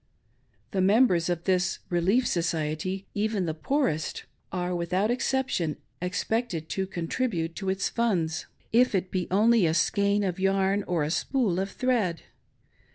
The membets of this Relief Society ^ even the poorest — are, without exception, expected to contrib ute to its funds — if it be only a skein of yarti or a spool of thread.